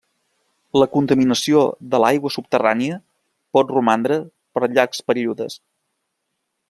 La contaminació de l'aigua subterrània pot romandre per llargs períodes.